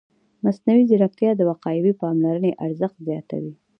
مصنوعي ځیرکتیا د وقایوي پاملرنې ارزښت زیاتوي.